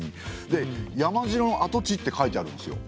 で「山城の跡地」って書いてあるんですよ。